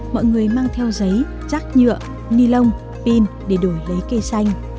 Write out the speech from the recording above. mọi người mang theo giấy rác nhựa ni lông pin để đổi lấy cây xanh